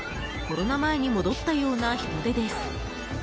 コロナ前に戻ったような人出です。